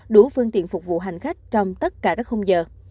đủ phương tiện phục vụ hành khách trong tất cả các khung giờ